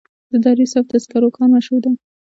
د دره صوف د سکرو کان مشهور دی